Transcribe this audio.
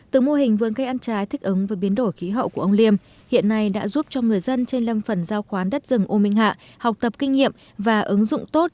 từ mô hình vườn cây ăn trái thích ứng với biến đổi khí hậu của ông liêm hiện nay đã giúp cho người dân trên lâm phần giao khoán đất rừng u minh hạ học tập kinh nghiệm và ứng dụng tốt